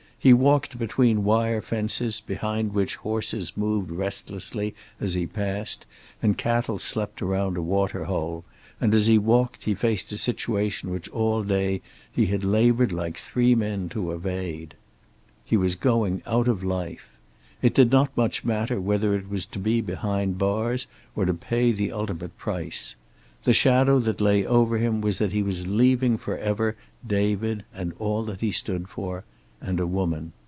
He walked between wire fences, behind which horses moved restlessly as he passed and cattle slept around a water hole, and as he walked he faced a situation which all day he had labored like three men to evade. He was going out of life. It did not much matter whether it was to be behind bars or to pay the ultimate price. The shadow that lay over him was that he was leaving forever David and all that he stood for, and a woman.